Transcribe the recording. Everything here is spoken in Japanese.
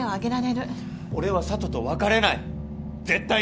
俺は佐都と別れない絶対に！